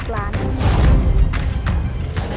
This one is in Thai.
๖ล้านบาท